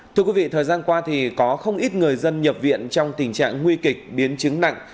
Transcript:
thưa quý vị thời gian qua thì có không ít người dân nhập viện trong tình trạng nguy kịch biến chứng nặng